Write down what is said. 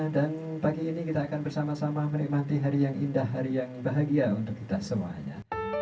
dan pagi ini kita akan bersama sama menikmati hari yang indah hari yang bahagia untuk kita semuanya